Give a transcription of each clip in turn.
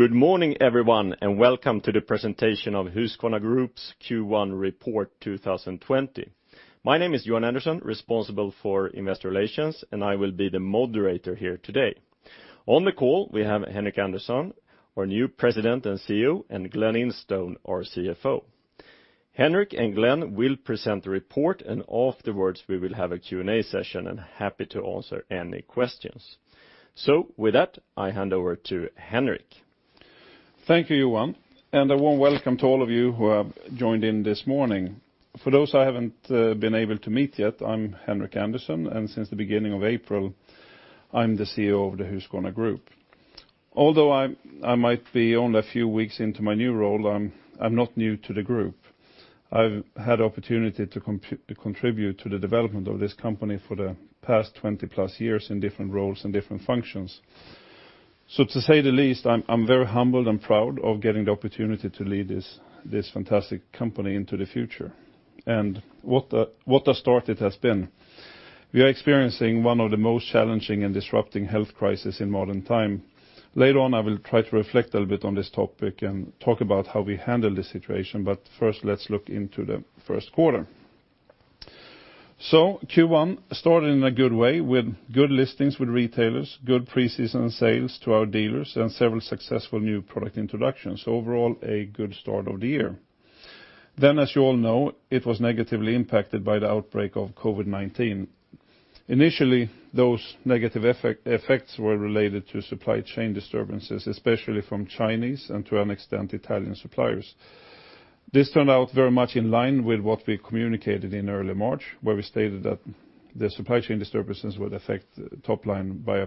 Good morning everyone, and welcome to the presentation of Husqvarna Group's Q1 report 2020. My name is Johan Andersson, responsible for investor relations, and I will be the moderator here today. On the call, we have Henric Andersson, our new President and CEO, and Glen Instone, our CFO. Henric and Glen will present the report, and afterward we will have a Q&A session and happy to answer any questions. With that, I hand over to Henric. Thank you, Johan, a warm welcome to all of you who have joined in this morning. For those I haven't been able to meet yet, I'm Henric Andersson, and since the beginning of April, I'm the CEO of the Husqvarna Group. Although I might be only a few weeks into my new role, I'm not new to the group. I've had opportunity to contribute to the development of this company for the past 20+ years in different roles and different functions. To say the least, I'm very humbled and proud of getting the opportunity to lead this fantastic company into the future. What a start it has been. We are experiencing one of the most challenging and disrupting health crisis in modern time. Later on, I will try to reflect a little bit on this topic and talk about how we handle the situation, but first let's look into the first quarter. Q1 started in a good way with good listings with retailers, good pre-season sales to our dealers, and several successful new product introductions. Overall, a good start of the year. As you all know, it was negatively impacted by the outbreak of COVID-19. Initially, those negative effects were related to supply chain disturbances, especially from Chinese and to an extent, Italian suppliers. This turned out very much in line with what we communicated in early March, where we stated that the supply chain disturbances would affect top line by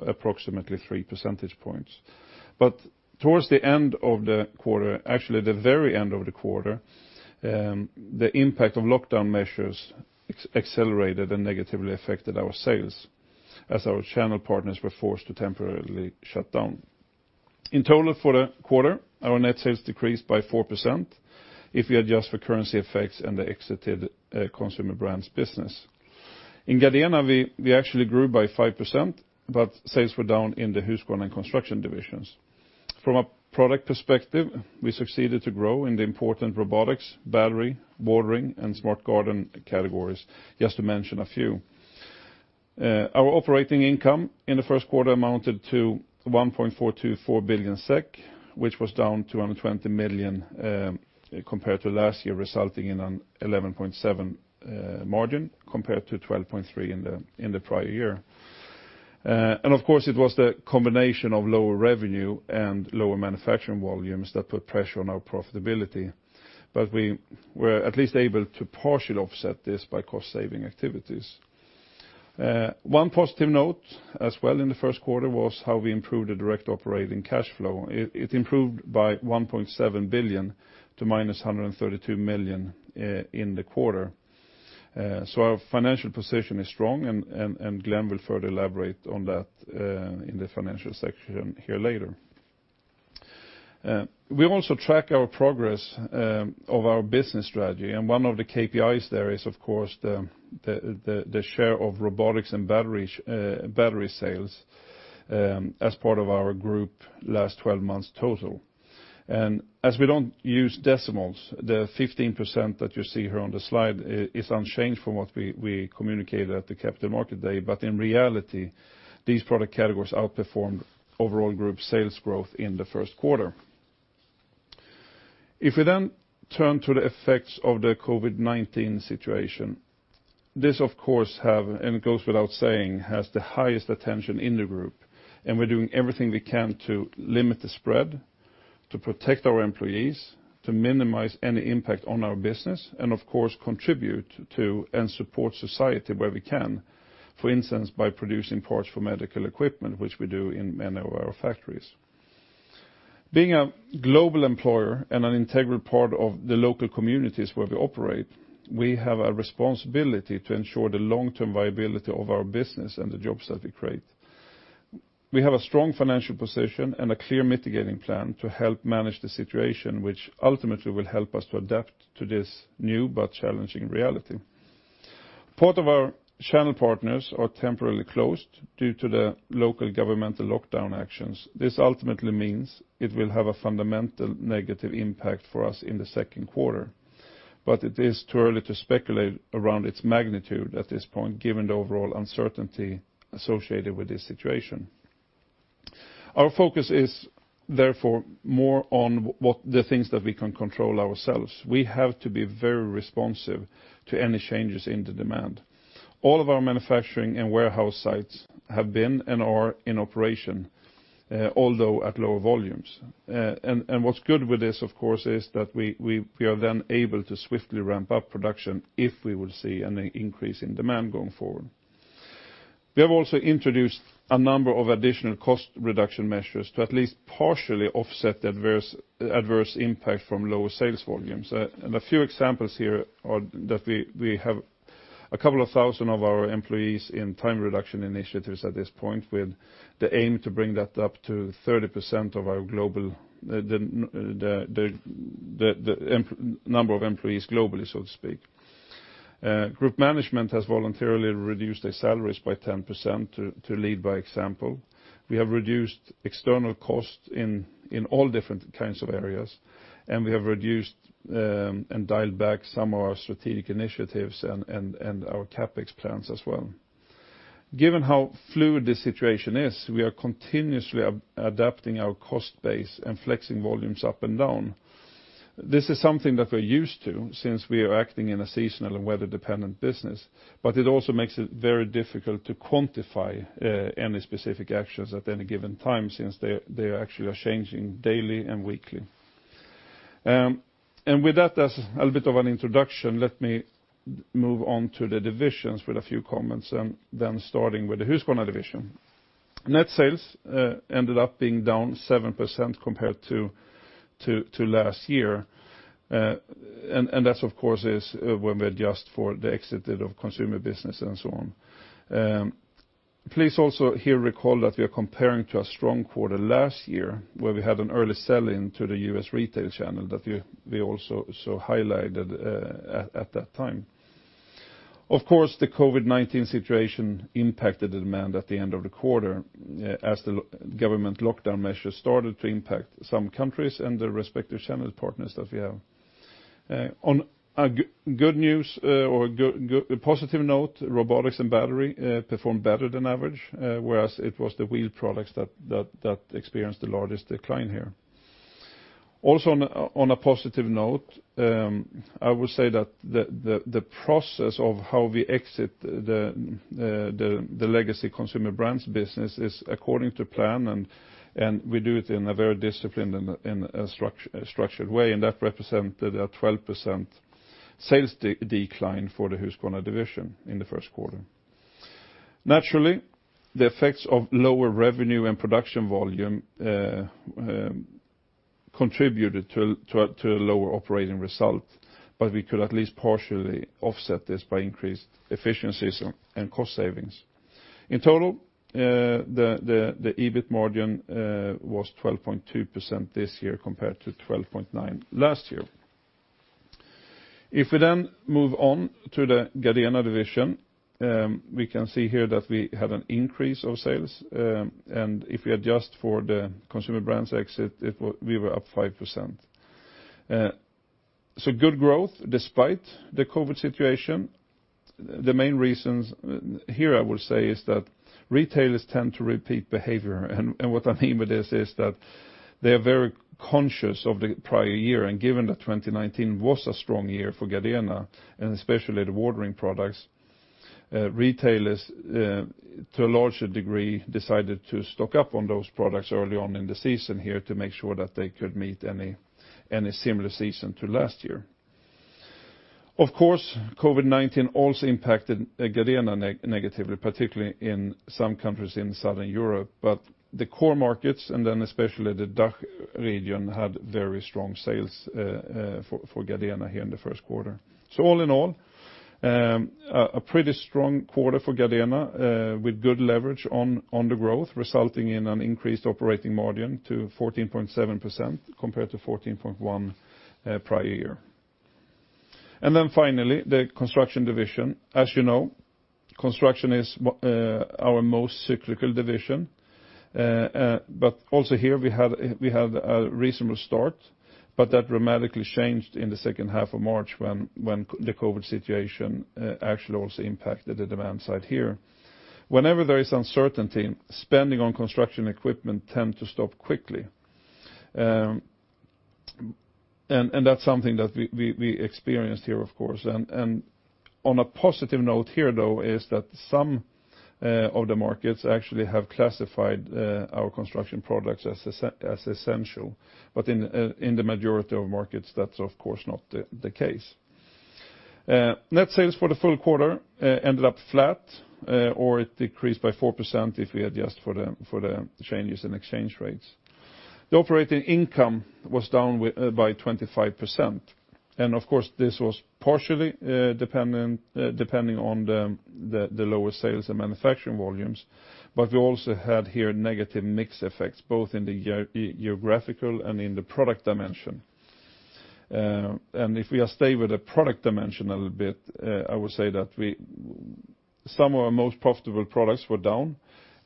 approximately three percentage points. towards the end of the quarter, actually the very end of the quarter, the impact of lockdown measures accelerated and negatively affected our sales as our channel partners were forced to temporarily shut down. In total for the quarter, our net sales decreased by 4% if we adjust for currency effects and the exited consumer brands business. In Gardena, we actually grew by 5%, but sales were down in the Husqvarna and Construction divisions. From a product perspective, we succeeded to grow in the important robotics, battery, watering, and smart garden categories, just to mention a few. Our operating income in the first quarter amounted to 1.424 billion SEK, which was down 220 million, compared to last year, resulting in an 11.7% margin compared to 12.3% in the prior year. Of course, it was the combination of lower revenue and lower manufacturing volumes that put pressure on our profitability. We were at least able to partially offset this by cost-saving activities. One positive note as well in the first quarter was how we improved the direct operating cash flow. It improved by 1.7 billion to -132 million in the quarter. Our financial position is strong and Glen will further elaborate on that in the financial section here later. We also track our progress of our business strategy, and one of the KPIs there is of course, the share of robotics and battery sales as part of our group last 12 months total. As we don't use decimals, the 15% that you see here on the slide is unchanged from what we communicated at the Capital Markets Day. In reality, these product categories outperformed overall group sales growth in the first quarter. If we then turn to the effects of the COVID-19 situation, this of course have, and it goes without saying, has the highest attention in the group and we're doing everything we can to limit the spread, to protect our employees, to minimize any impact on our business, and of course, contribute to and support society where we can. For instance, by producing parts for medical equipment, which we do in many of our factories. Being a global employer and an integral part of the local communities where we operate, we have a responsibility to ensure the long-term viability of our business and the jobs that we create. We have a strong financial position and a clear mitigating plan to help manage the situation, which ultimately will help us to adapt to this new but challenging reality. Part of our channel partners are temporarily closed due to the local governmental lockdown actions. This ultimately means it will have a fundamental negative impact for us in the second quarter, but it is too early to speculate around its magnitude at this point, given the overall uncertainty associated with this situation. Our focus is therefore more on what the things that we can control ourselves. We have to be very responsive to any changes in the demand. All of our manufacturing and warehouse sites have been and are in operation, although at lower volumes. What's good with this, of course, is that we are then able to swiftly ramp up production if we will see any increase in demand going forward. We have also introduced a number of additional cost reduction measures to at least partially offset the adverse impact from lower sales volumes. A few examples here are that we have a couple of thousand of our employees in time reduction initiatives at this point with the aim to bring that up to 30% of our number of employees globally, so to speak. Group management has voluntarily reduced their salaries by 10% to lead by example. We have reduced external costs in all different kinds of areas, and we have reduced and dialed back some of our Strategic Initiatives and our CapEx plans as well. Given how fluid the situation is, we are continuously adapting our cost base and flexing volumes up and down. This is something that we're used to since we are acting in a seasonal and weather-dependent business, but it also makes it very difficult to quantify any specific actions at any given time since they are changing daily and weekly. With that as a little bit of an introduction, let me move on to the divisions with a few comments, and then starting with the Husqvarna division. Net sales ended up being down 7% compared to last year. That of course is when we adjust for the exit of consumer business and so on. Please also here recall that we are comparing to a strong quarter last year where we had an early sell-in to the U.S. retail channel that we also highlighted at that time. Of course, the COVID-19 situation impacted the demand at the end of the quarter as the government lockdown measures started to impact some countries and the respective channel partners that we have. On a good news or positive note, robotics and battery performed better than average, whereas it was the wheeled products that experienced the largest decline here. Also on a positive note, I would say that the process of how we exit the legacy consumer brands business is according to plan, and we do it in a very disciplined and a structured way, and that represented a 12% sales decline for the Husqvarna division in the first quarter. Naturally, the effects of lower revenue and production volume contributed to a lower operating result, but we could at least partially offset this by increased efficiencies and cost savings. In total, the EBIT margin was 12.2% this year compared to 12.9% last year. If we move on to the Gardena division, we can see here that we had an increase of sales, and if we adjust for the consumer brands exit, we were up 5%. Good growth despite the COVID situation. The main reasons here I would say is that retailers tend to repeat behavior, and what I mean by this is that they are very conscious of the prior year, and given that 2019 was a strong year for Gardena, and especially the watering products, retailers to a larger degree, decided to stock up on those products early on in the season here to make sure that they could meet any similar season to last year. Of course, COVID-19 also impacted Gardena negatively, particularly in some countries in Southern Europe, but the core markets and then especially the DACH region had very strong sales for Gardena here in the first quarter. All in all, a pretty strong quarter for Gardena, with good leverage on the growth, resulting in an increased operating margin to 14.7% compared to 14.1% prior year. Finally, the construction division. As you know, construction is our most cyclical division. Also here we had a reasonable start, but that dramatically changed in the second half of March when the COVID situation actually also impacted the demand side here. Whenever there is uncertainty, spending on construction equipment tend to stop quickly. That's something that we experienced here, of course. On a positive note here, though, is that some of the markets actually have classified our construction products as essential. In the majority of markets, that's of course not the case. Net sales for the full quarter ended up flat, or it decreased by 4% if we adjust for the changes in exchange rates. The operating income was down by 25%. Of course, this was partially depending on the lower sales and manufacturing volumes. We also had here negative mix effects, both in the geographical and in the product dimension. If we stay with the product dimension a little bit, I would say that some of our most profitable products were down,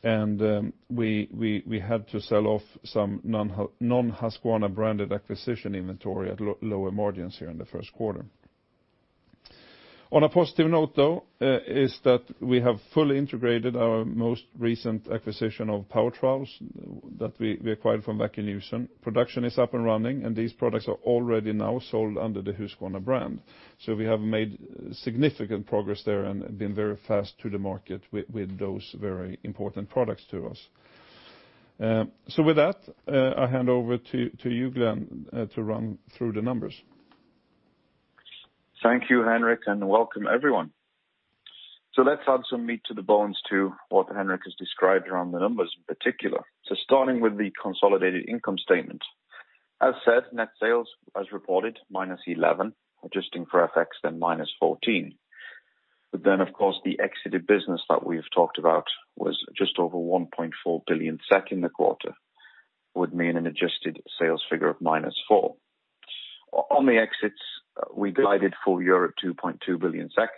and we had to sell off some non-Husqvarna-branded acquisition inventory at lower margins here in the first quarter. On a positive note, though, is that we have fully integrated our most recent acquisition of power trowels that we acquired from Wacker Neuson. Production is up and running, and these products are already now sold under the Husqvarna brand. We have made significant progress there and been very fast to the market with those very important products to us. With that, I hand over to you, Glen, to run through the numbers. Thank you, Henric, and welcome everyone. Let's add some meat to the bones to what Henric has described around the numbers in particular. Starting with the consolidated income statement. As said, net sales as reported -11%, adjusting for FX then -14%. Then of course the exited business that we've talked about was just over 1.4 billion in the quarter. Would mean an adjusted sales figure of -4%. On the exits, we guided full year at 2.2 billion SEK.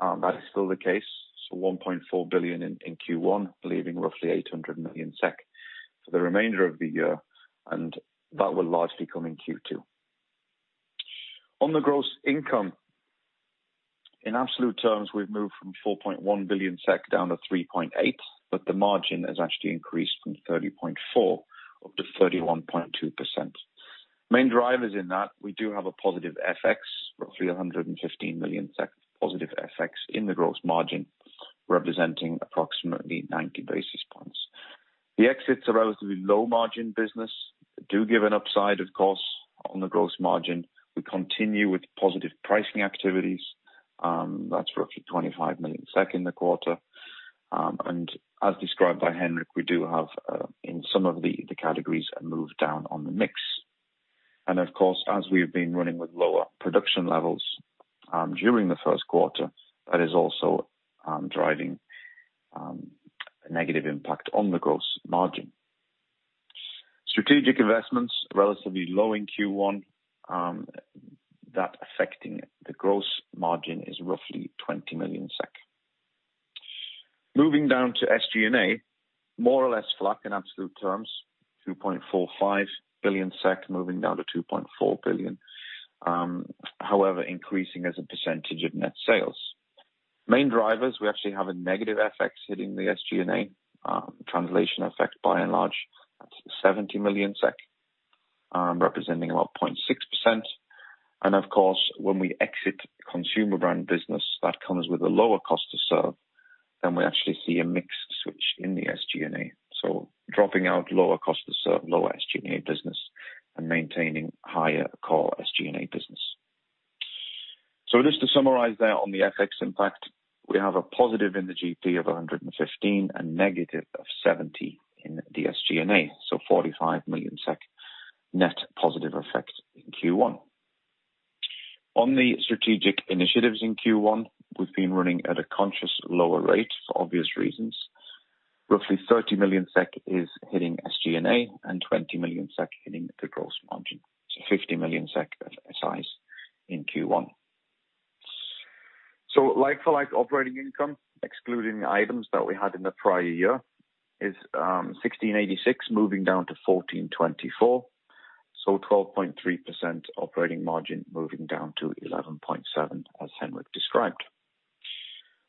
That is still the case. 1.4 billion in Q1, leaving roughly 800 million SEK for the remainder of the year, and that will largely come in Q2. On the gross income, in absolute terms, we've moved from 4.1 billion SEK down to 3.8 billion, but the margin has actually increased from 30.4% up to 31.2%. Main drivers in that, we do have a positive FX, roughly 115 million positive FX in the gross margin, representing approximately 90 basis points. The exits are relatively low margin business, do give an upside, of course, on the gross margin. We continue with positive pricing activities. That's roughly 25 million SEK in the quarter. As described by Henric, we do have, in some of the categories, a move down on the mix. Of course, as we've been running with lower production levels during the first quarter, that is also driving a negative impact on the gross margin. Strategic investments, relatively low in Q1, that affecting the gross margin is roughly 20 million SEK. Moving down to SG&A, more or less flat in absolute terms, 2.45 billion SEK moving down to 2.4 billion. However, increasing as a percentage of net sales. Main drivers, we actually have a negative FX hitting the SG&A translation effect, by and large. That's 70 million SEK, representing about 0.6%. Of course, when we exit consumer brand business, that comes with a lower cost to serve, then we actually see a mix switch in the SG&A. Dropping out lower cost to serve, lower SG&A business and maintaining higher core SG&A business. Just to summarize there on the FX impact, we have a positive in the GP of 115 and negative of 70 in the SG&A, so 45 million SEK net positive effect in Q1. On the strategic initiatives in Q1, we've been running at a conscious lower rate for obvious reasons. Roughly 30 million SEK is hitting SG&A and 20 million SEK hitting the gross margin. 50 million SEK size in Q1. Like-for-like operating income, excluding items that we had in the prior year, is 1,686 moving down to 1,424. 12.3% operating margin moving down to 11.7%, as Henric described.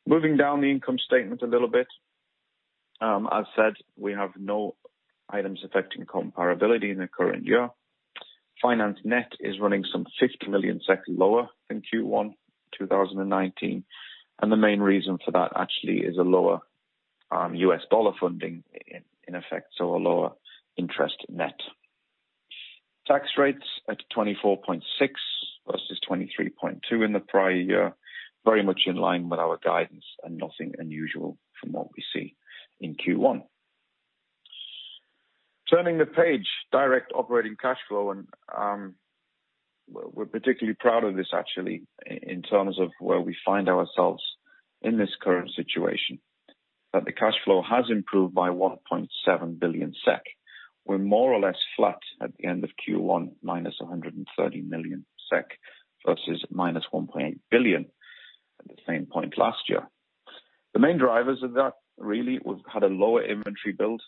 Moving down the income statement a little bit. As said, we have no items affecting comparability in the current year. Finance net is running some 50 million lower than Q1 2019, and the main reason for that actually is a lower US dollar funding in effect, so a lower interest net. Tax rates at 24.6 versus 23.2 in the prior year, very much in line with our guidance and nothing unusual from what we see in Q1. Turning the page, direct operating cash flow, and we're particularly proud of this actually in terms of where we find ourselves in this current situation. That the cash flow has improved by 1.7 billion SEK. We're more or less flat at the end of Q1, minus 130 million SEK versus minus 1.8 billion at the same point last year. The main drivers of that, really, we've had a lower inventory build.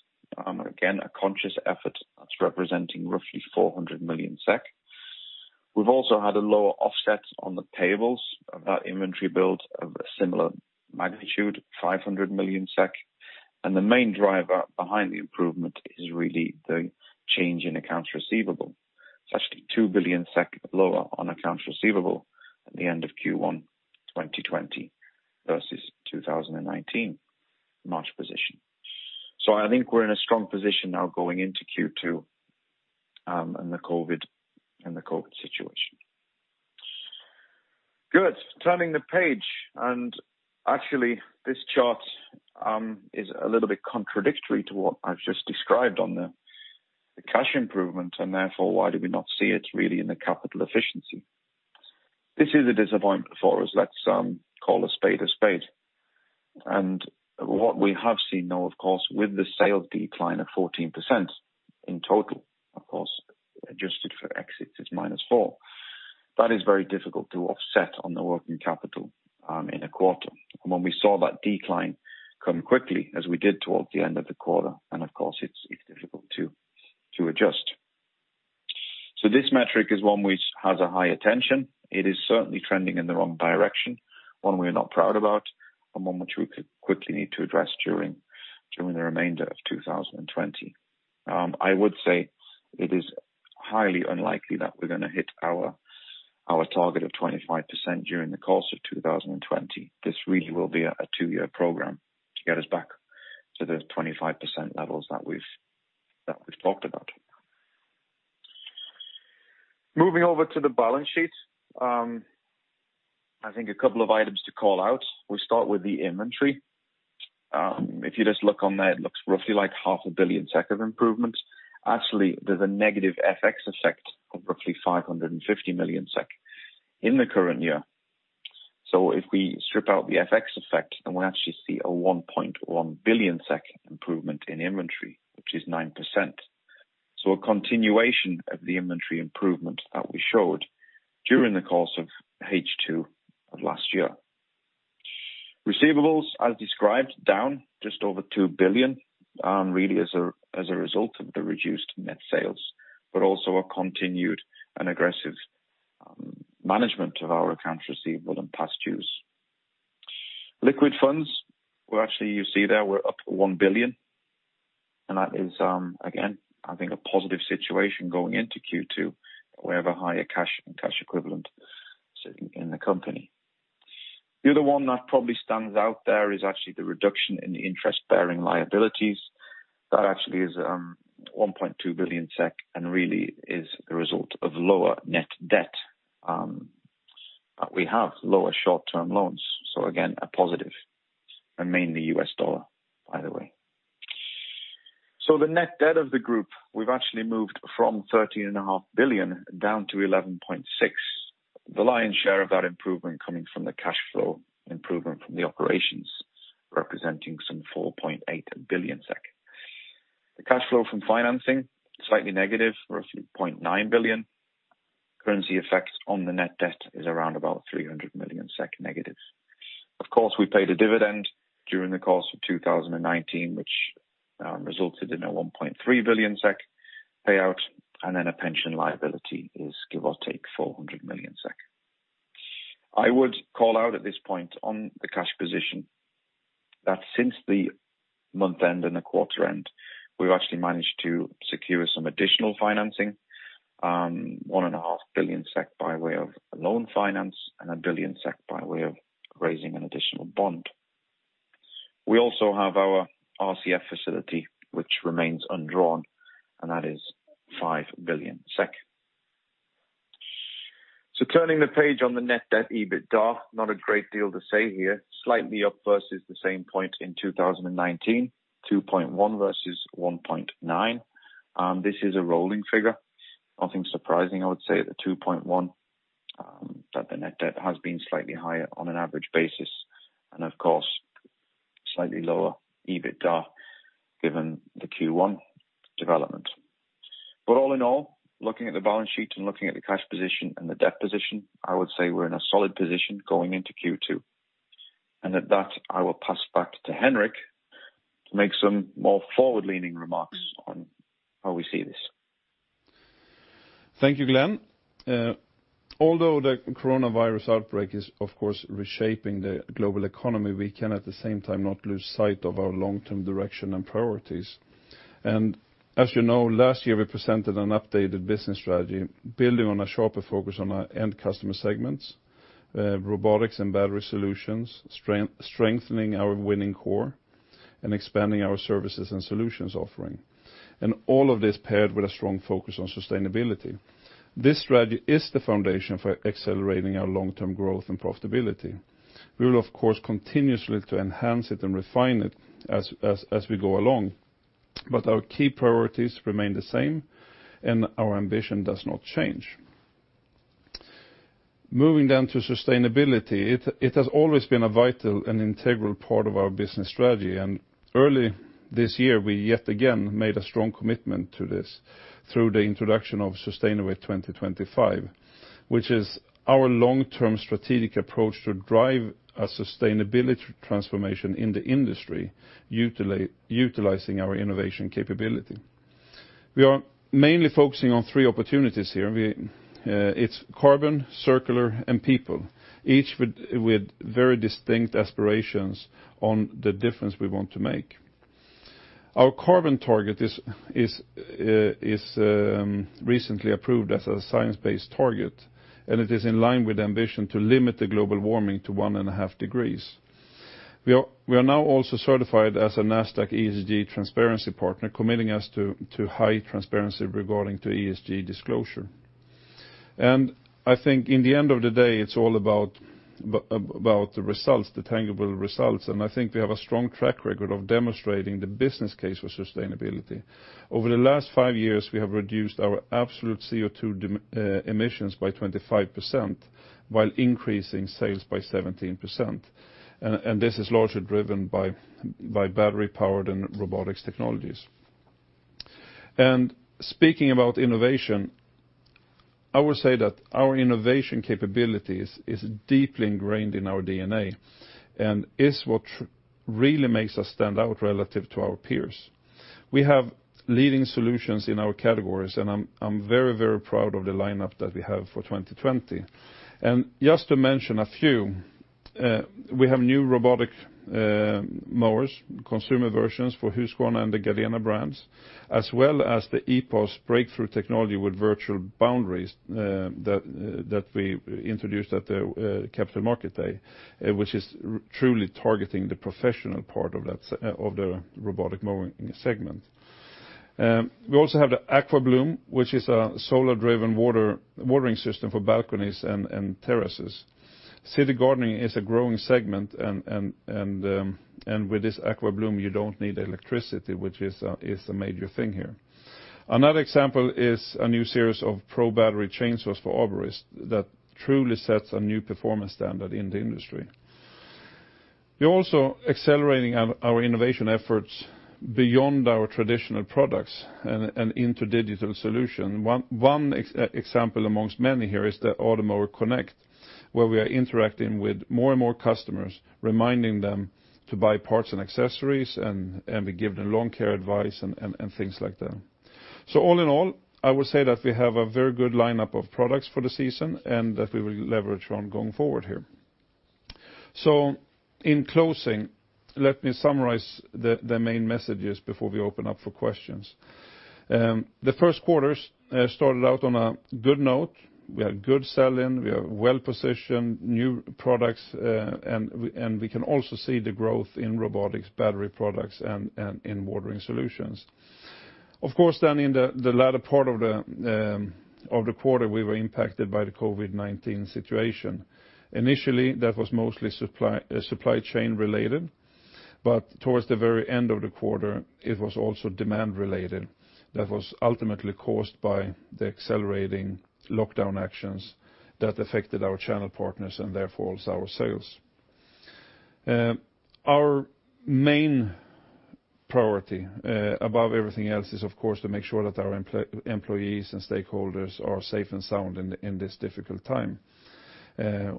Again, a conscious effort that's representing roughly 400 million SEK. We've also had a lower offset on the tables of that inventory build of a similar magnitude, 500 million SEK. The main driver behind the improvement is really the change in accounts receivable. It's actually 2 billion SEK lower on accounts receivable at the end of Q1 2020 versus 2019 March position. I think we're in a strong position now going into Q2 in the COVID situation. Good. Turning the page, and actually this chart is a little bit contradictory to what I've just described on the cash improvement, and therefore why do we not see it really in the capital efficiency. This is a disappointment for us. Let's call a spade a spade. What we have seen now, of course, with the sales decline of 14% in total, of course adjusted for exits is minus four. That is very difficult to offset on the working capital in a quarter. When we saw that decline come quickly as we did towards the end of the quarter and of course it's difficult to adjust. This metric is one which has a higher tension. It is certainly trending in the wrong direction, one we are not proud about, and one which we quickly need to address during the remainder of 2020. I would say it is highly unlikely that we're going to hit our target of 25% during the course of 2020. This really will be a two-year program to get us back to the 25% levels that we've talked about. Moving over to the balance sheet. I think a couple of items to call out. We start with the inventory. If you just look on there, it looks roughly like half a billion SEK of improvement. Actually, there's a negative FX effect of roughly 550 million SEK in the current year. If we strip out the FX effect, then we actually see a 1.1 billion SEK improvement in inventory, which is 9%. A continuation of the inventory improvement that we showed during the course of H2 of last year. Receivables, as described, down just over 2 billion, really as a result of the reduced net sales, but also a continued and aggressive management of our accounts receivable and past dues. Liquid funds, well, actually, you see there we're up 1 billion, and that is, again, I think a positive situation going into Q2, where we have a higher cash and cash equivalent sitting in the company. The other one that probably stands out there is actually the reduction in the interest-bearing liabilities. That actually is 1.2 billion SEK and really is the result of lower net debt. We have lower short-term loans, so again, a positive and mainly US dollar, by the way. The net debt of the group, we've actually moved from 13.5 billion down to 11.6. The lion's share of that improvement coming from the cash flow improvement from the operations representing some 4.8 billion SEK. The cash flow from financing, slightly negative, roughly 0.9 billion. Currency effect on the net debt is around about 300 million SEK negative. Of course, we paid a dividend during the course of 2019, which resulted in a 1.3 billion SEK payout, and then a pension liability is give or take 400 million SEK. I would call out at this point on the cash position that since the month end and the quarter end, we've actually managed to secure some additional financing, 1.5 billion SEK by way of loan finance and 1 billion SEK by way of raising an additional bond. We also have our RCF facility, which remains undrawn, and that is 5 billion SEK. Turning the page on the net debt EBITDA, not a great deal to say here. Slightly up versus the same point in 2019, 2.1 versus 1.9. This is a rolling figure. Nothing surprising, I would say, the 2.1, that the net debt has been slightly higher on an average basis, and of course, slightly lower EBITDA given the Q1 development. All in all, looking at the balance sheet and looking at the cash position and the debt position, I would say we're in a solid position going into Q2. At that, I will pass back to Henrik to make some more forward-leaning remarks on how we see this. Thank you, Glen. Although the coronavirus outbreak is, of course, reshaping the global economy, we can at the same time not lose sight of our long-term direction and priorities. As you know, last year, we presented an updated business strategy building on a sharper focus on our end customer segments, robotics and battery solutions, strengthening our winning core, and expanding our services and solutions offering. All of this paired with a strong focus on sustainability. This strategy is the foundation for accelerating our long-term growth and profitability. We will, of course, continuously to enhance it and refine it as we go along, but our key priorities remain the same, and our ambition does not change. Moving down to sustainability, it has always been a vital and integral part of our business strategy. Early this year, we yet again made a strong commitment to this through the introduction of Sustainovate 2025, which is our long-term strategic approach to drive a sustainability transformation in the industry utilizing our innovation capability. We are mainly focusing on three opportunities here. It's carbon, circular, and people, each with very distinct aspirations on the difference we want to make. Our carbon target is recently approved as a science-based target, and it is in line with the ambition to limit the global warming to 1.5 degrees. We are now also certified as a Nasdaq ESG transparency partner, committing us to high transparency regarding to ESG disclosure. I think in the end of the day, it's all about the results, the tangible results, and I think we have a strong track record of demonstrating the business case for sustainability. Over the last five years, we have reduced our absolute CO2 emissions by 25% while increasing sales by 17%. This is largely driven by battery-powered and robotics technologies. Speaking about innovation, I would say that our innovation capabilities is deeply ingrained in our DNA and is what really makes us stand out relative to our peers. We have leading solutions in our categories, and I'm very, very proud of the lineup that we have for 2020. Just to mention a few, we have new robotic mowers, consumer versions for Husqvarna and the Gardena brands, as well as the EPOS breakthrough technology with virtual boundaries that we introduced at the Capital Markets Day, which is truly targeting the professional part of the robotic mowing segment. We also have the AquaBloom, which is a solar-driven watering system for balconies and terraces. City gardening is a growing segment, and with this AquaBloom, you don't need electricity, which is a major thing here. Another example is a new series of pro battery chainsaws for arborists that truly sets a new performance standard in the industry. We're also accelerating our innovation efforts beyond our traditional products and into digital solution. One example amongst many here is the Automower Connect, where we are interacting with more and more customers, reminding them to buy parts and accessories, and we give them lawn care advice and things like that. All in all, I would say that we have a very good lineup of products for the season and that we will leverage on going forward here. In closing, let me summarize the main messages before we open up for questions. The first quarters started out on a good note. We have good sell-in, we have well-positioned new products, and we can also see the growth in robotics, battery products, and in watering solutions. Of course, in the latter part of the quarter, we were impacted by the COVID-19 situation. Initially, that was mostly supply chain related, but towards the very end of the quarter, it was also demand related, that was ultimately caused by the accelerating lockdown actions that affected our channel partners and therefore our sales. Our main priority above everything else is, of course, to make sure that our employees and stakeholders are safe and sound in this difficult time.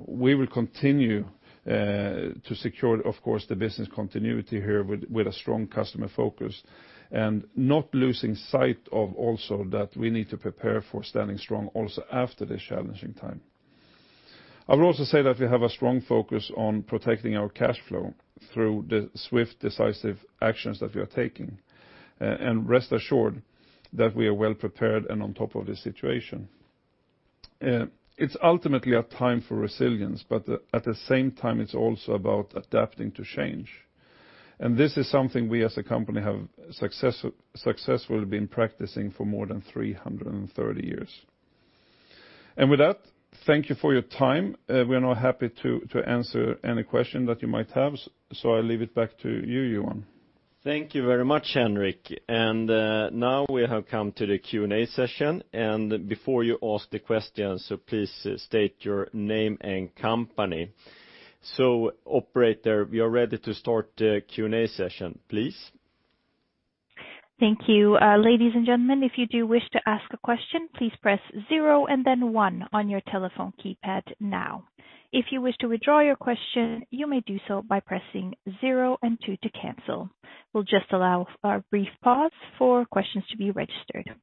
We will continue to secure, of course, the business continuity here with a strong customer focus, and not losing sight of also that we need to prepare for standing strong also after this challenging time. I would also say that we have a strong focus on protecting our cash flow through the swift, decisive actions that we are taking. Rest assured that we are well prepared and on top of the situation. It's ultimately a time for resilience, but at the same time, it's also about adapting to change. This is something we as a company have successfully been practicing for more than 330 years. With that, thank you for your time. We are now happy to answer any question that you might have. I'll leave it back to you, Johan. Thank you very much, Henrik. Now we have come to the Q&A session. Before you ask the questions, so please state your name and company. Operator, we are ready to start the Q&A session, please. Thank you. Ladies and gentlemen, if you do wish to ask a question, please press zero and then one on your telephone keypad now. If you wish to withdraw your question, you may do so by pressing zero and two to cancel. We'll just allow a brief pause for questions to be registered.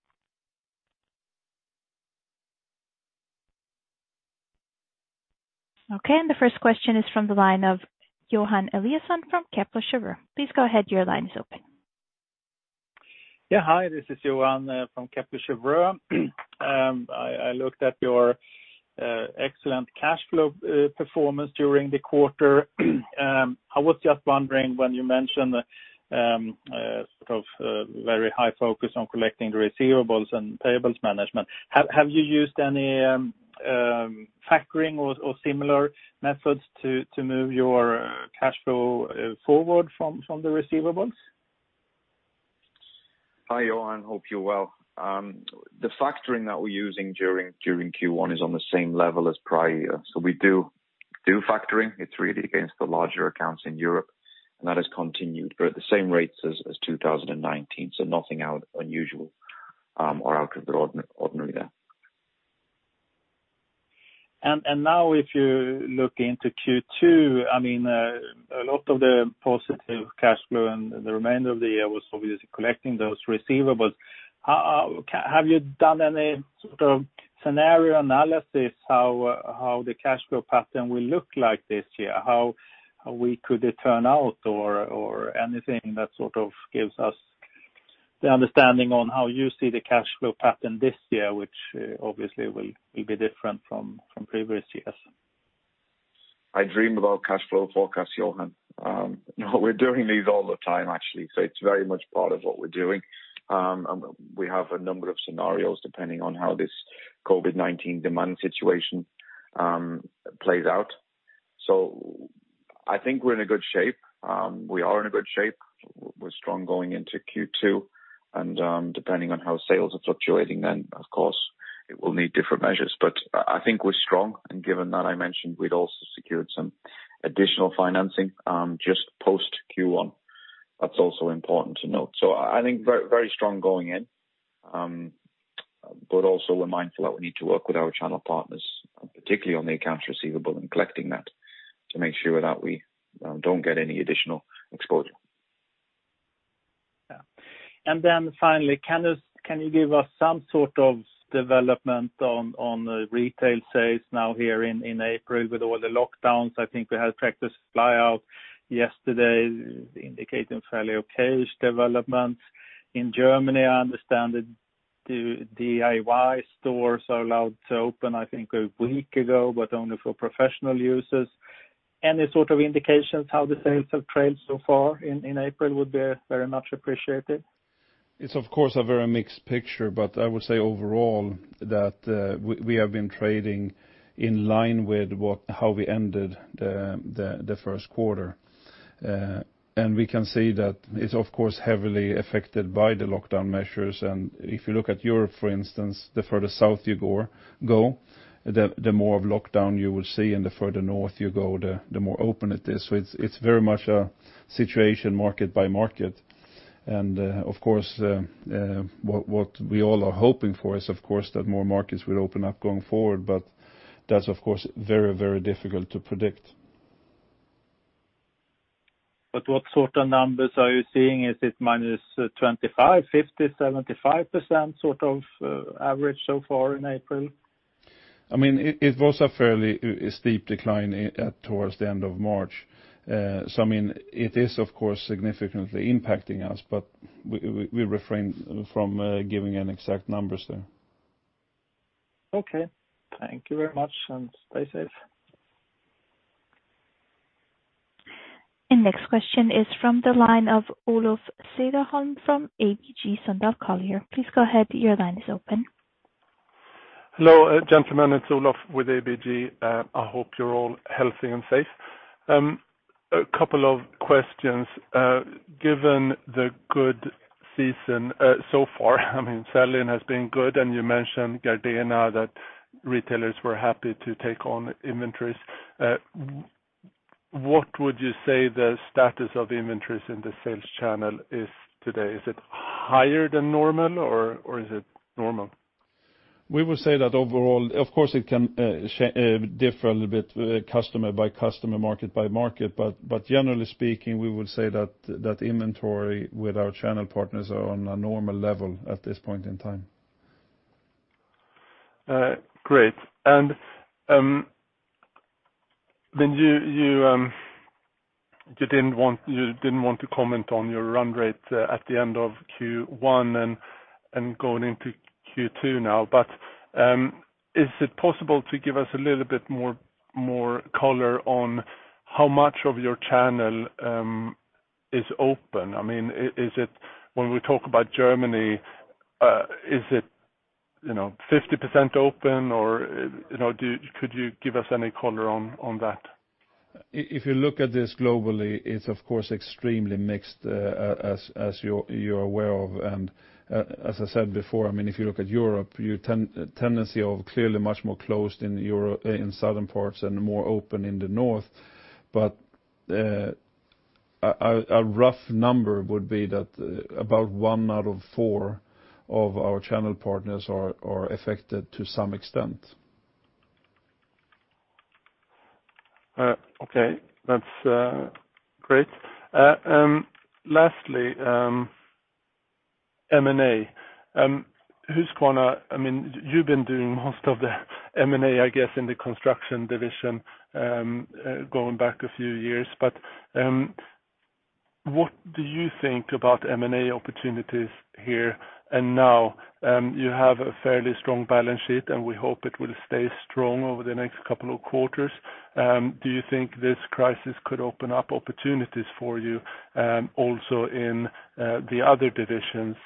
Okay, the first question is from the line of Johan Eliason from Kepler Cheuvreux. Please go ahead. Your line is open. Yeah. Hi, this is Johan from Kepler Cheuvreux. I looked at your excellent cash flow performance during the quarter. I was just wondering when you mentioned the very high focus on collecting the receivables and payables management, have you used any factoring or similar methods to move your cash flow forward from the receivables? Hi, Johan. Hope you're well. The factoring that we're using during Q1 is on the same level as prior year. We do factoring. It's really against the larger accounts in Europe, and that has continued. We're at the same rates as 2019, so nothing unusual or out of the ordinary there. And now if you look into Q2, a lot of the positive cash flow and the remainder of the year was obviously collecting those receivables. Have you done any sort of scenario analysis how the cash flow pattern will look like this year? How weak could it turn out, or anything that gives us the understanding on how you see the cash flow pattern this year, which obviously will be different from previous years? I dream about cash flow forecasts, Johan. No, we're doing these all the time, actually, so it's very much part of what we're doing. We have a number of scenarios depending on how this COVID-19 demand situation plays out. I think we're in a good shape. We are in a good shape. We're strong going into Q2, and depending on how sales are fluctuating then, of course, it will need different measures. I think we're strong, and given that I mentioned we'd also secured some additional financing just post Q1. That's also important to note. I think very strong going in, but also we're mindful that we need to work with our channel partners, particularly on the accounts receivable and collecting that to make sure that we don't get any additional exposure. Yeah. Finally, can you give us some sort of development on the retail sales now here in April with all the lockdowns? I think we had practice fly out yesterday indicating fairly okay developments. In Germany, I understand the DIY stores are allowed to open, I think a week ago, but only for professional users. Any sort of indications how the sales have trailed so far in April would be very much appreciated. It's of course a very mixed picture, but I would say overall that we have been trading in line with how we ended the first quarter. We can see that it's of course heavily affected by the lockdown measures. If you look at Europe, for instance, the further south you go, the more of lockdown you will see, and the further north you go, the more open it is. It's very much a situation market by market. Of course, what we all are hoping for is, of course, that more markets will open up going forward, but that's of course very, very difficult to predict What sort of numbers are you seeing? Is it minus 25%, 50%, 75% sort of average so far in April? It was a fairly steep decline towards the end of March. It is of course significantly impacting us, but we refrain from giving an exact numbers there. Okay. Thank you very much, and stay safe. Next question is from the line of Olof Cederholm from ABG Sundal Collier. Please go ahead. Your line is open. Hello, gentlemen. It's Olof with ABG. I hope you're all healthy and safe. A couple of questions. Given the good season so far, selling has been good, and you mentioned Gardena, that retailers were happy to take on inventories. What would you say the status of inventories in the sales channel is today? Is it higher than normal or is it normal? We would say that overall, of course it can differ a little bit customer by customer, market by market, but generally speaking, we would say that inventory with our channel partners are on a normal level at this point in time. Great. You didn't want to comment on your run rate at the end of Q1 and going into Q2 now, but is it possible to give us a little bit more color on how much of your channel is open? When we talk about Germany, is it 50% open, or could you give us any color on that? If you look at this globally, it's of course extremely mixed, as you're aware of. As I said before, if you look at Europe, tendency of clearly much more closed in southern parts and more open in the north. A rough number would be that about one out of four of our channel partners are affected to some extent. Okay. That's great. Lastly, M&A. You've been doing most of the M&A, I guess, in the construction division, going back a few years, but what do you think about M&A opportunities here and now? You have a fairly strong balance sheet, and we hope it will stay strong over the next couple of quarters. Do you think this crisis could open up opportunities for you also in the other divisions?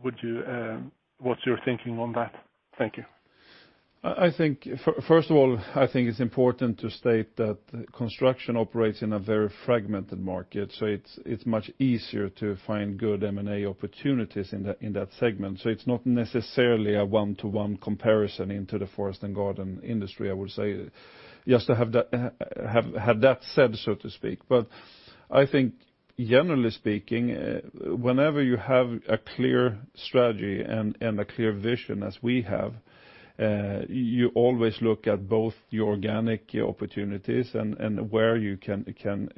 What's your thinking on that? Thank you. First of all, I think it's important to state that construction operates in a very fragmented market, so it's much easier to find good M&A opportunities in that segment. It's not necessarily a one-to-one comparison into the forest and garden industry, I would say. Just to have that said, so to speak. I think generally speaking, whenever you have a clear strategy and a clear vision as we have, you always look at both the organic opportunities and where you can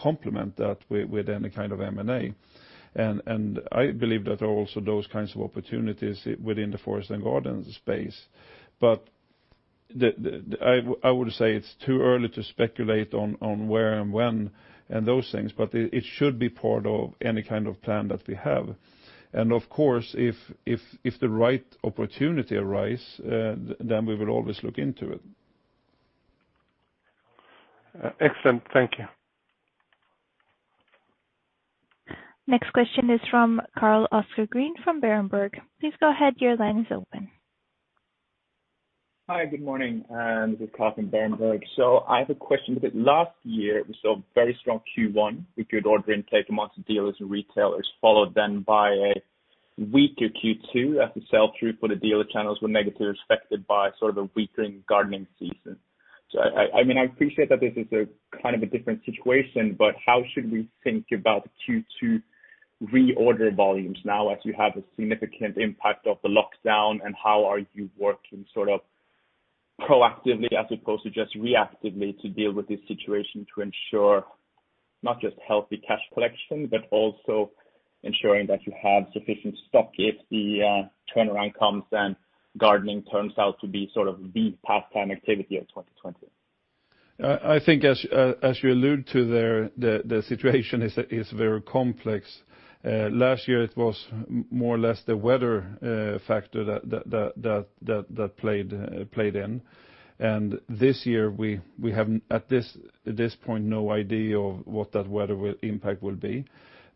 complement that with any kind of M&A. I believe that also those kinds of opportunities within the forest and garden space. I would say it's too early to speculate on where and when and those things, but it should be part of any kind of plan that we have. Of course, if the right opportunity arise, then we will always look into it. Excellent. Thank you. Next question is from Carl-Oscar Green from Berenberg. Please go ahead. Your line is open. Hi. Good morning. This is Carl from Berenberg. I have a question because last year we saw very strong Q1 with good order intake amongst the dealers and retailers, followed then by a weaker Q2 as the sell-through for the dealer channels were negatively affected by sort of a weakening gardening season. I appreciate that this is a kind of a different situation, but how should we think about Q2 reorder volumes now as you have a significant impact of the lockdown, and how are you working sort of proactively as opposed to just reactively to deal with this situation to ensure not just healthy cash collection, but also ensuring that you have sufficient stock if the turnaround comes, and gardening turns out to be sort of the pastime activity of 2020? I think as you allude to there, the situation is very complex. Last year it was more or less the weather factor that played in. This year, we have at this point, no idea of what that weather impact will be.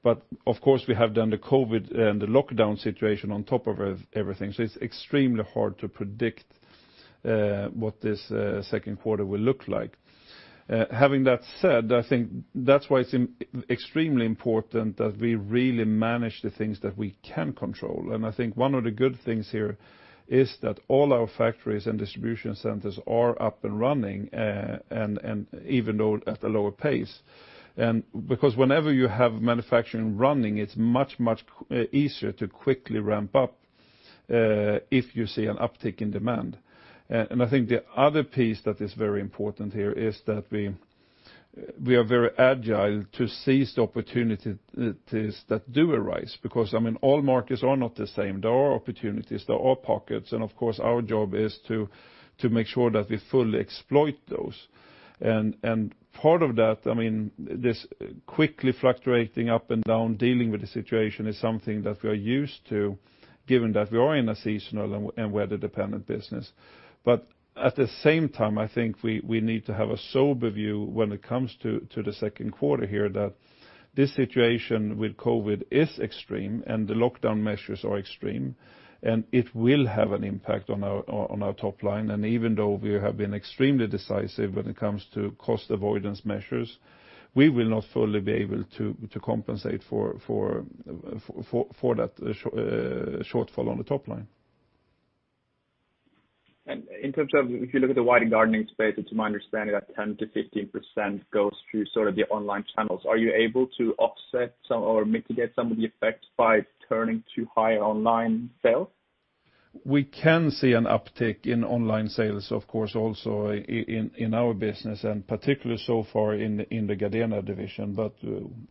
Of course, we have then the COVID and the lockdown situation on top of everything. It's extremely hard to predict what this second quarter will look like. Having that said, I think that's why it's extremely important that we really manage the things that we can control. I think one of the good things here is that all our factories and distribution centers are up and running even though at a lower pace. Because whenever you have manufacturing running, it's much easier to quickly ramp up if you see an uptick in demand. I think the other piece that is very important here is that we are very agile to seize the opportunities that do arise because all markets are not the same. There are opportunities, there are pockets, and of course our job is to make sure that we fully exploit those. Part of that, this quickly fluctuating up and down dealing with the situation is something that we are used to, given that we are in a seasonal and weather-dependent business. At the same time, I think we need to have a sober view when it comes to the second quarter here that this situation with COVID is extreme, and the lockdown measures are extreme, and it will have an impact on our top line. Even though we have been extremely decisive when it comes to cost avoidance measures, we will not fully be able to compensate for that shortfall on the top line. In terms of if you look at the wide gardening space, it's my understanding that 10%-15% goes through sort of the online channels. Are you able to offset some or mitigate some of the effects by turning to higher online sales? We can see an uptick in online sales, of course, also in our business, and particularly so far in the Gardena division.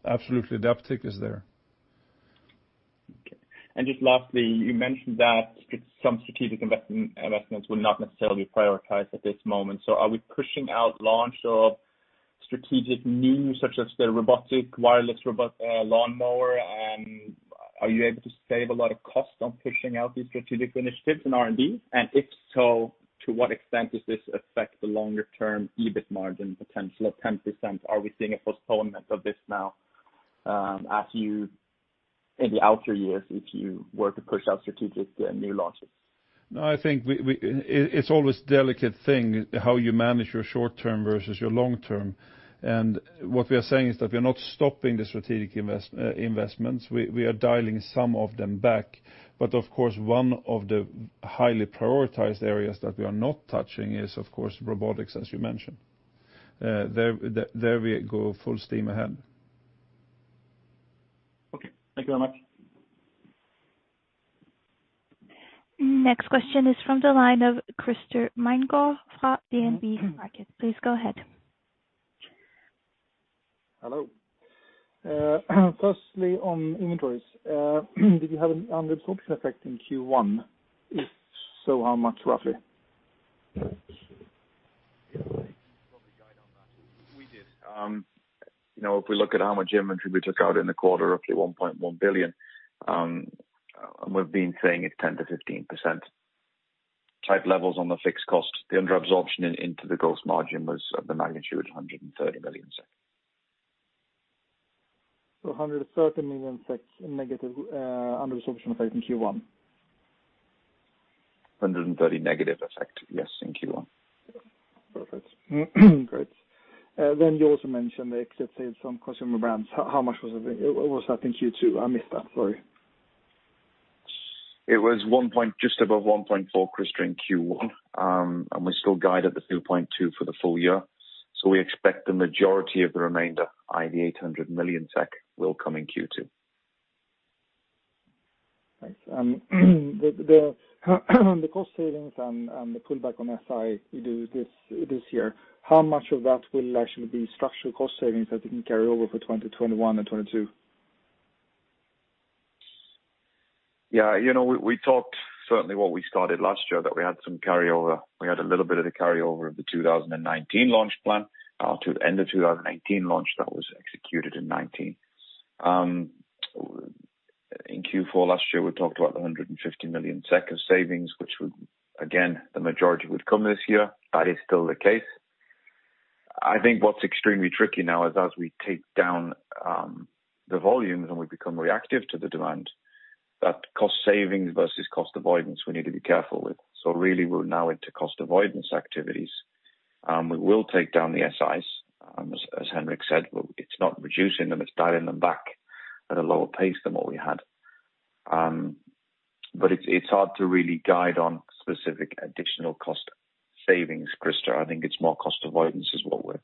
Absolutely, the uptick is there. Okay. Just lastly, you mentioned that some strategic investments will not necessarily be prioritized at this moment. Are we pushing out launch of strategic new, such as the robotic wireless robot lawnmower? Are you able to save a lot of cost on pushing out these strategic initiatives in R&D? If so, to what extent does this affect the longer-term EBIT margin potential of 10%? Are we seeing a postponement of this now in the outer years if you were to push out strategic new launches? No, I think it's always delicate thing how you manage your short term versus your long term. What we are saying is that we are not stopping the strategic investments. We are dialing some of them back. Of course, one of the highly prioritized areas that we are not touching is of course, robotics, as you mentioned. There we go full steam ahead. Okay. Thank you very much. Next question is from the line of Christer Magnergård from DNB Markets. Please go ahead. Hello. Firstly on inventories, did you have an under-absorption effect in Q1? If so, how much roughly? Go away. Probably guide on that. We did. If we look at how much inventory we took out in the quarter, roughly 1.1 billion, and we've been saying it's 10%-15% type levels on the fixed cost. The under-absorption into the gross margin was of the magnitude 130 million SEK. 130 million SEK negative under-absorption effect in Q1? 130 million negative effect, yes, in Q1. Perfect. Great. You also mentioned they accepted some consumer brands. How much was that in Q2? I missed that, sorry. It was just above 1.4, Christer, in Q1. We still guide at the 2.2 for the full year. We expect the majority of the remainder, i.e., 800 million SEK, will come in Q2. Thanks. The cost savings and the pullback on SI you do this year, how much of that will actually be structural cost savings that you can carry over for 2021 and 2022? Yeah. We talked certainly what we started last year that we had some carryover. We had a little bit of the carryover of the 2019 launch plan to the end of 2019 launch that was executed in 2019. In Q4 last year, we talked about the 150 million of savings, which would, again, the majority would come this year. That is still the case. I think what's extremely tricky now is as we take down the volumes and we become reactive to the demand, that cost savings versus cost avoidance we need to be careful with. Really we're now into cost avoidance activities. We will take down the SIs, as Henrik said, it's not reducing them, it's dialing them back at a lower pace than what we had. It's hard to really guide on specific additional cost savings, Christer. I think it's more cost avoidance is what we're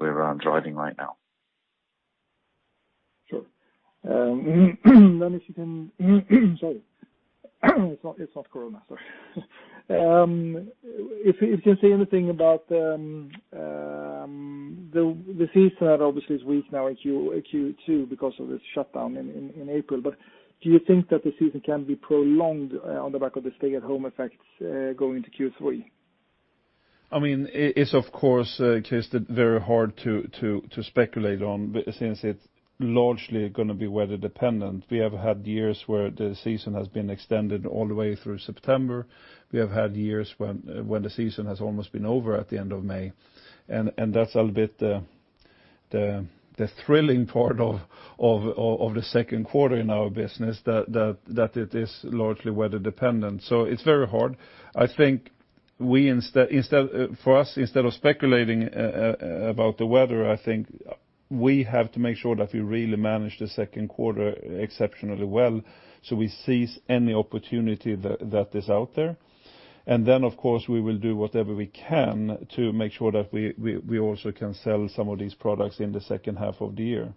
around driving right now. Sure. Sorry. It's not corona, sorry. If you can say anything about the season that obviously is weak now in Q2 because of the shutdown in April. Do you think that the season can be prolonged on the back of the stay-at-home effects going into Q3? It's of course, Christer, very hard to speculate on, but since it's largely going to be weather dependent, we have had years where the season has been extended all the way through September. We have had years when the season has almost been over at the end of May. That's a little bit the thrilling part of the second quarter in our business that it is largely weather dependent. It's very hard. I think for us, instead of speculating about the weather, I think we have to make sure that we really manage the second quarter exceptionally well, so we seize any opportunity that is out there of course, we will do whatever we can to make sure that we also can sell some of these products in the second half of the year.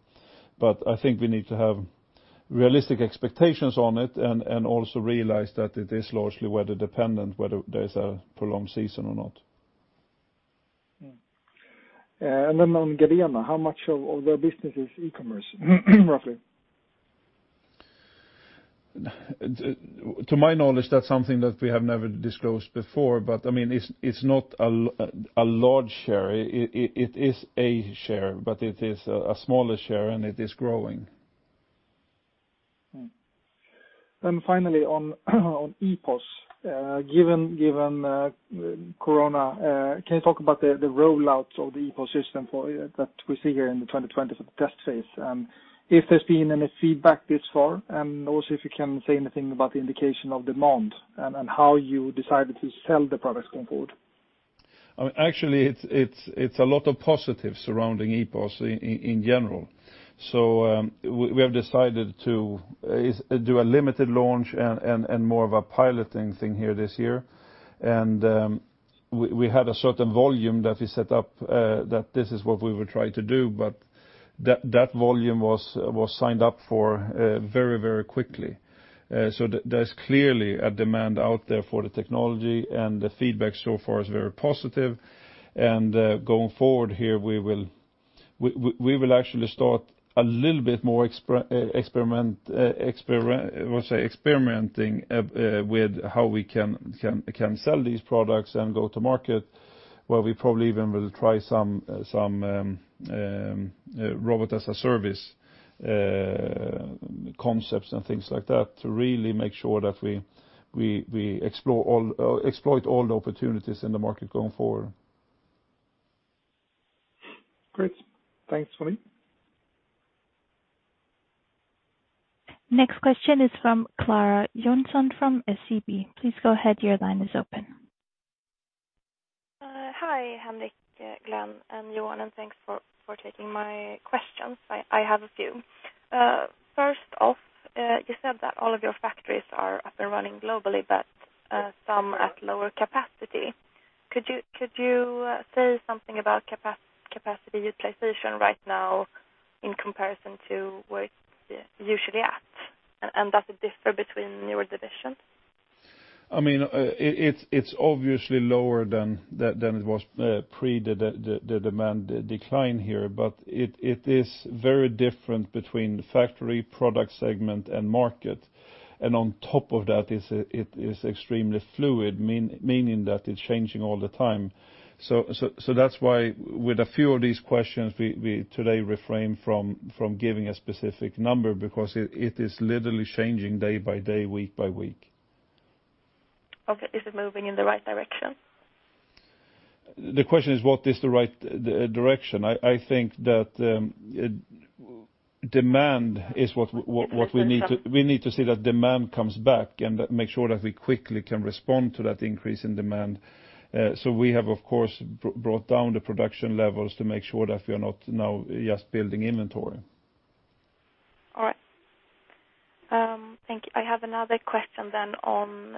I think we need to have realistic expectations on it, and also realize that it is largely weather dependent whether there's a prolonged season or not. On Gardena, how much of their business is e-commerce roughly? To my knowledge, that's something that we have never disclosed before, but it's not a large share. It is a share, but it is a smaller share, and it is growing. And finally on EPOS, given corona, can you talk about the rollout of the EPOS system that we see here in the 2020 test phase? If there's been any feedback this far, and also if you can say anything about the indication of demand and how you decided to sell the products going forward? Actually, it's a lot of positive surrounding EPOS in general. We have decided to do a limited launch and more of a piloting thing here this year. We had a certain volume that we set up that this is what we will try to do, but that volume was signed up for very quickly. There's clearly a demand out there for the technology, and the feedback so far is very positive. Going forward here, we will actually start a little bit more experimenting with how we can sell these products and go to market, where we probably even will try some robot-as-a-service concepts and things like that to really make sure that we exploit all the opportunities in the market going forward. Great. Thanks, Henric. Next question is from Clara Ericsson from SEB. Please go ahead. Your line is open. Hi, Henric, Glen, and Johan, and thanks for taking my questions. I have a few. First off, you said that all of your factories are up and running globally, but some at lower capacity. Could you say something about capacity utilization right now in comparison to where it's usually at? Does it differ between your divisions? It's obviously lower than it was pre the demand decline here, but it is very different between factory, product segment, and market. On top of that, it is extremely fluid, meaning that it's changing all the time. That's why with a few of these questions, we today refrain from giving a specific number because it is literally changing day by day, week by week. Okay. Is it moving in the right direction? The question is what is the right direction? I think that We need to see that demand comes back and make sure that we quickly can respond to that increase in demand. We have, of course, brought down the production levels to make sure that we are not now just building inventory. All right. Thank you. I have another question then on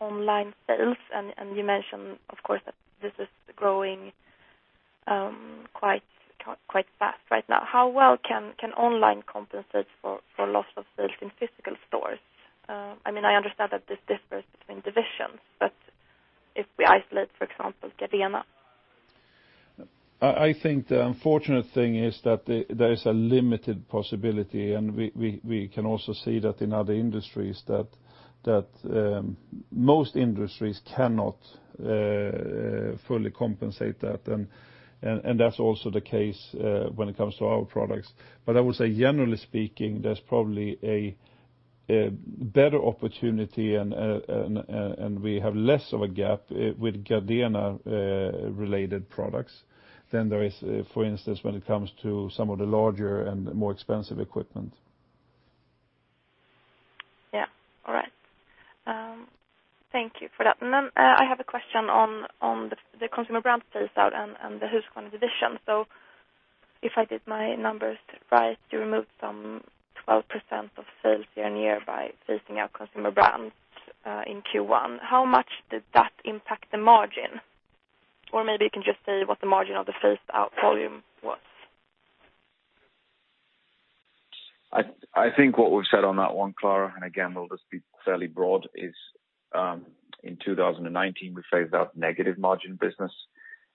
online sales, and you mentioned, of course, that this is growing quite fast right now. How well can online compensate for loss of sales in physical stores? I understand that this differs between divisions, but if we isolate, for example, Gardena. I think the unfortunate thing is that there is a limited possibility, and we can also see that in other industries that most industries cannot fully compensate that, and that's also the case when it comes to our products. I would say, generally speaking, there's probably a better opportunity, and we have less of a gap with Gardena-related products than there is, for instance, when it comes to some of the larger and more expensive equipment. Yeah. All right. Thank you for that. I have a question on the consumer brand phase out and the Husqvarna division. If I did my numbers right, you removed some 12% of sales year-over-year by phasing out consumer brands in Q1. How much did that impact the margin? Maybe you can just say what the margin of the phased out volume was. I think what we've said on that one, Clara, and again, we'll just be fairly broad, is in 2019, we phased out negative margin business.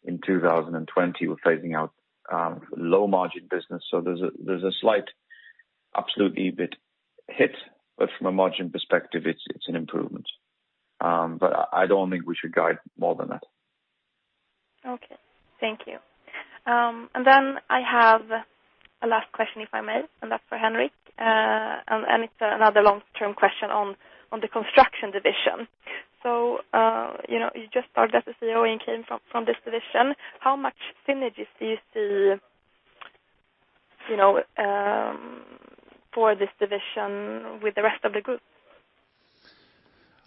In 2020, we're phasing out low margin business. there's a slight absolute EBIT hit, but from a margin perspective, it's an improvement. I don't think we should guide more than that. Okay. Thank you. I have a last question, if I may, and that's for Henric. It's another long-term question on the construction division. You just started as a CEO and came from this division. How much synergies do you see for this division with the rest of the group?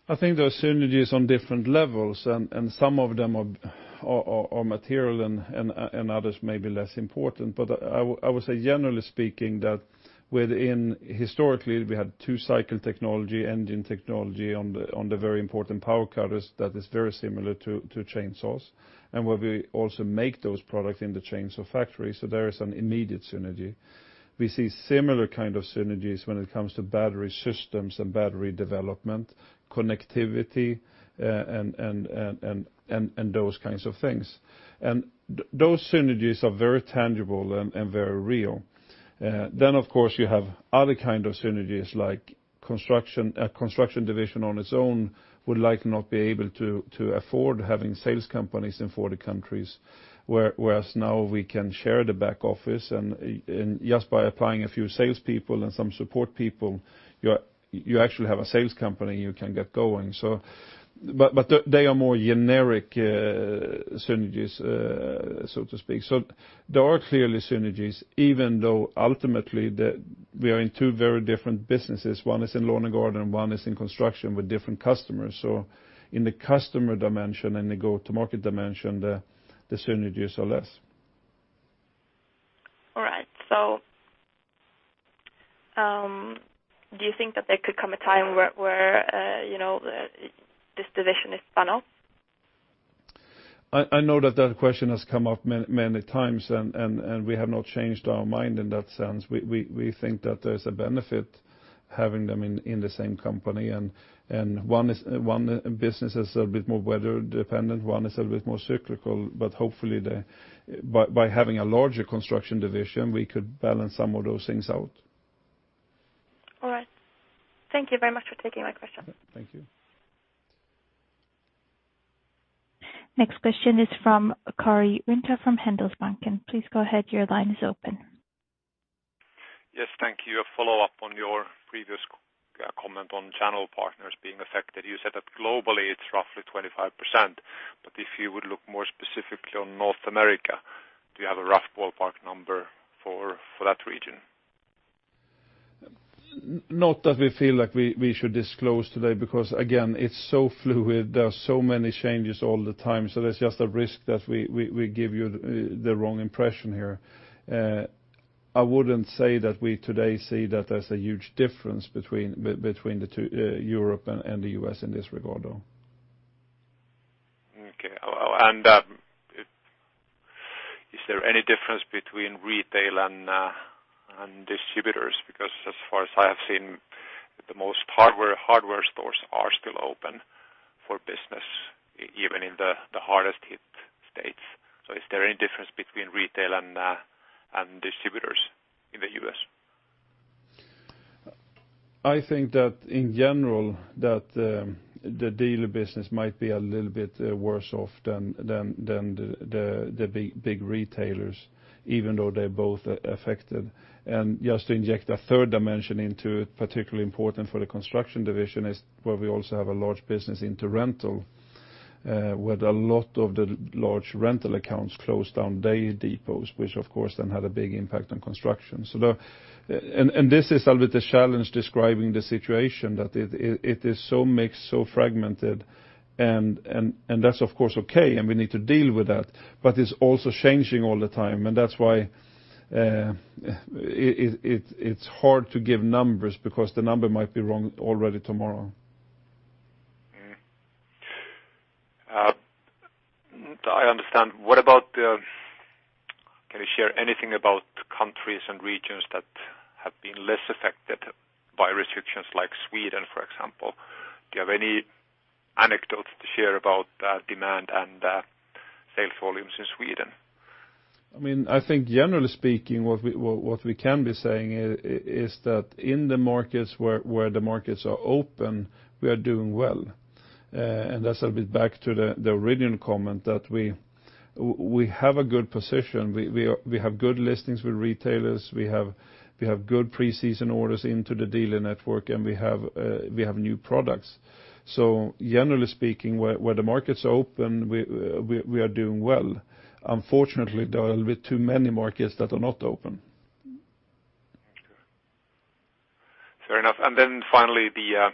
I think there are synergies on different levels, and some of them are material and others may be less important. I would say generally speaking, that historically we had two cycle technology, engine technology on the very important power cutters that is very similar to chainsaws, and where we also make those products in the chainsaw factory. There is an immediate synergy. We see similar kind of synergies when it comes to battery systems and battery development, connectivity, and those kinds of things. Those synergies are very tangible and very real. Of course you have other kind of synergies like construction. A construction division on its own would likely not be able to afford having sales companies in 40 countries, whereas now we can share the back office, and just by applying a few salespeople and some support people, you actually have a sales company you can get going. They are more generic synergies, so to speak. There are clearly synergies, even though ultimately we are in two very different businesses. One is in lawn and garden, one is in construction with different customers. In the customer dimension and the go-to-market dimension, the synergies are less. All right. Do you think that there could come a time where this division is spun off? I know that question has come up many times, and we have not changed our mind in that sense. We think that there's a benefit having them in the same company. One business is a bit more weather dependent, one is a bit more cyclical, but hopefully by having a larger construction division, we could balance some of those things out. All right. Thank you very much for taking my question. Thank you. Next question is from Karri Rinta from Handelsbanken. Please go ahead. Your line is open. Yes. Thank you. A follow-up on your previous comment on channel partners being affected. You said that globally it's roughly 25%, but if you would look more specifically on North America, do you have a rough ballpark number for that region? Not that we feel like we should disclose today, because again, it's so fluid. There are so many changes all the time, so there's just a risk that we give you the wrong impression here. I wouldn't say that we today see that there's a huge difference between Europe and the U.S. in this regard, though. Okay. Is there any difference between retail and distributors? Because as far as I have seen, the most hardware stores are still open for business even in the hardest hit states. Is there any difference between retail and distributors in the U.S.? I think that in general, the dealer business might be a little bit worse off than the big retailers, even though they're both affected. Just to inject a third dimension into it, particularly important for the construction division is where we also have a large business into rental, where a lot of the large rental accounts closed down daily depots, which of course then had a big impact on construction. This is a little bit the challenge describing the situation, that it is so mixed, so fragmented, and that's of course, okay, and we need to deal with that. It's also changing all the time, and that's why it's hard to give numbers because the number might be wrong already tomorrow. I understand. Can you share anything about countries and regions that have been less affected by restrictions like Sweden, for example? Do you have any anecdotes to share about demand and sales volumes in Sweden? I think generally speaking, what we can be saying is that in the markets where the markets are open, we are doing well. That's a bit back to the original comment that we have a good position. We have good listings with retailers. We have good pre-season orders into the dealer network, and we have new products. Generally speaking, where the markets are open, we are doing well. Unfortunately, there are a little bit too many markets that are not open. Fair enough. Finally, how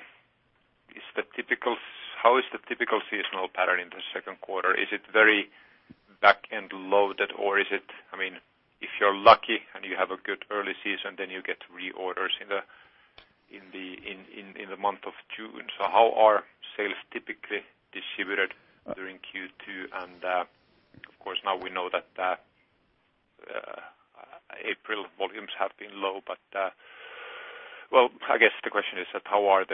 is the typical seasonal pattern in the second quarter? Is it very back-end loaded or is it? If you're lucky and you have a good early season, then you get reorders in the month of June. How are sales typically distributed during Q2? Of course, now we know that April volumes have been low. Well, I guess the question is that how are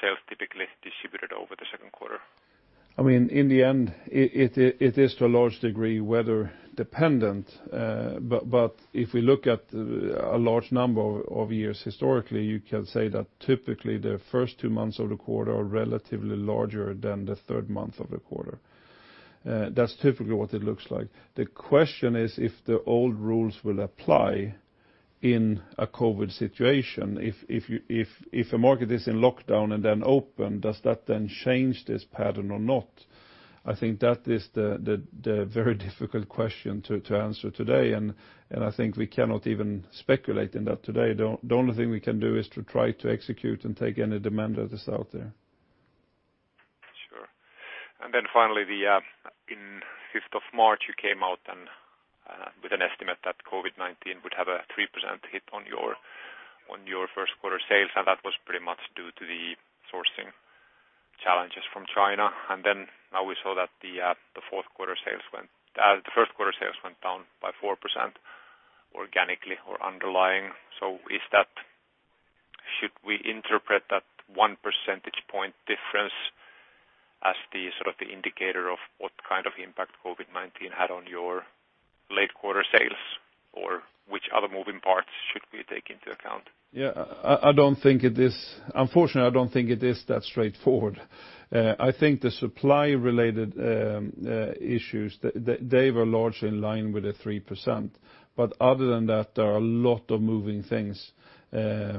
sales typically distributed over the second quarter? In the end, it is to a large degree weather dependent. If we look at a large number of years historically, you can say that typically the first two months of the quarter are relatively larger than the third month of the quarter. That's typically what it looks like. The question is if the old rules will apply in a COVID situation. If a market is in lockdown and then open, does that then change this pattern or not? I think that is the very difficult question to answer today, and I think we cannot even speculate on that today. The only thing we can do is to try to execute and take any demand that is out there. Sure. Finally, in the March 5th, you came out with an estimate that COVID-19 would have a 3% hit on your first quarter sales, and that was pretty much due to the sourcing challenges from China. Now we saw that the first quarter sales went down by 4% organically or underlying. Should we interpret that one percentage point difference as the indicator of what kind of impact COVID-19 had on your late quarter sales? Which other moving parts should we take into account? Yeah. Unfortunately, I don't think it is that straightforward. I think the supply-related issues, they were largely in line with the 3%. Other than that, there are a lot of moving things. A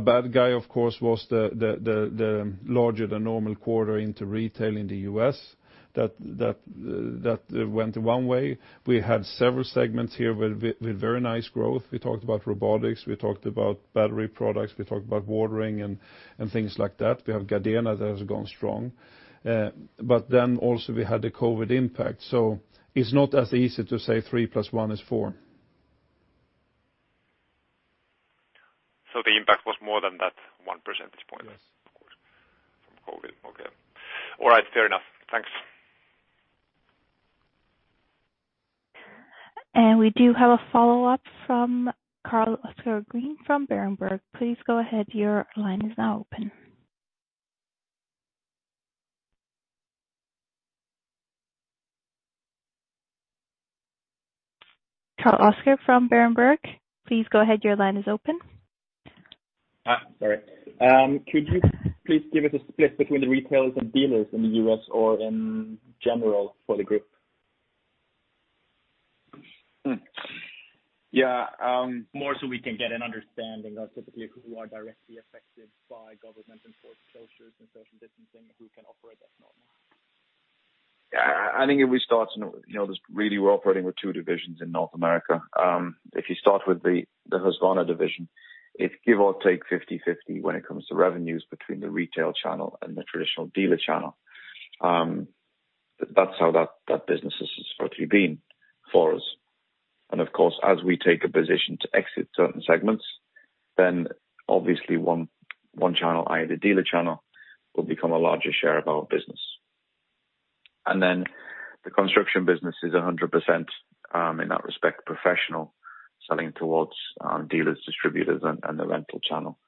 bad guy, of course, was the larger than normal quarter into retail in the U.S. That went one way. We had several segments here with very nice growth. We talked about robotics, we talked about battery products, we talked about watering and things like that. We have Gardena that has gone strong. Also we had the COVID impact, so it's not as easy to say three plus one is four. The impact was more than that one percentage point. Yes of course, from COVID. Okay. All right, fair enough. Thanks. We do have a follow-up from Carl-Oscar Green from Berenberg. Please go ahead, your line is now open. Carl-Oscar from Berenberg, please go ahead, your line is open. Sorry. Could you please give us a split between the retailers and dealers in the U.S. or in general for the group? Yeah- More so we can get an understanding of typically who are directly affected by government-enforced closures and social distancing, who can operate as normal. I think if we start, really, we're operating with two divisions in North America. If you start with the Husqvarna division, it's give or take 50/50 when it comes to revenues between the retail channel and the traditional dealer channel. That's how that business has historically been for us. Of course, as we take a position to exit certain segments, then obviously one channel, i.e. the dealer channel, will become a larger share of our business. The construction business is 100% in that respect professional, selling towards dealers, distributors, and the rental channel,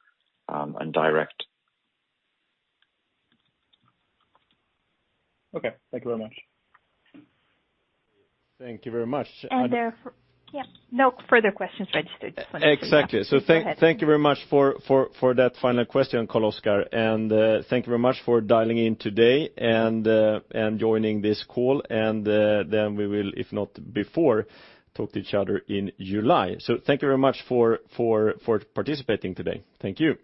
and direct. Okay. Thank you very much. Thank you very much. There are no further questions registered, just letting you know. Exactly. Go ahead. Thank you very much for that final question, Carl-Oskar, and thank you very much for dialing in today and joining this call. We will, if not before, talk to each other in July. Thank you very much for participating today. Thank you